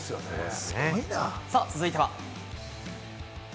続いては。